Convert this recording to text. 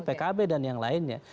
pkb dan yang lainnya